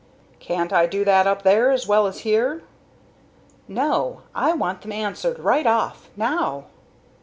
"Can't I do that up there as well as here?" "No, I want them answered right off, now."